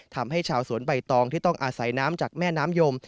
ทำให้ชาวสวนใบตองที่ต้องอาศัยน้ำจากแม่น้ำยม